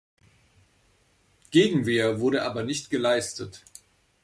Gegenwehr wurde aber nicht geleistet.